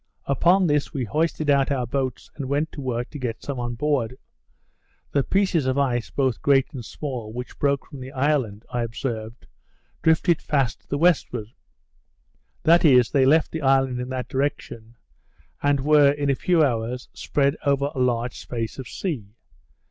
Upon this we hoisted out our boats, and went to work to get some on board. The pieces of ice, both great and small, which broke from the island, I observed, drifted fast to the westward; that is, they left the island in that direction, and were, in a few hours, spread over a large space of sea.